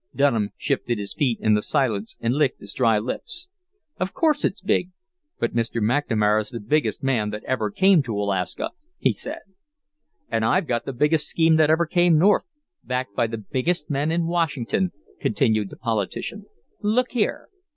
Dunham shifted his feet in the silence and licked his dry lips. "Of course it's big, but Mr. McNamara's the biggest man that ever came to Alaska," he said. "And I've got the biggest scheme that ever came north, backed by the biggest men in Washington," continued the politician. "Look here!"